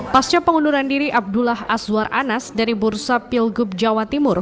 pasca pengunduran diri abdullah azwar anas dari bursa pilgub jawa timur